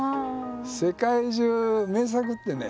世界中名作ってね